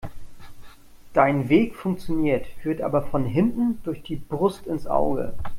Dein Weg funktioniert, führt aber von hinten durch die Brust ins Auge.